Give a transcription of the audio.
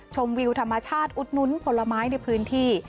วิวธรรมชาติอุดนุนผลไม้ในพื้นที่